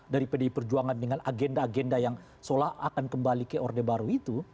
dari pdi perjuangan dengan agenda agenda yang seolah akan kembali ke orde baru itu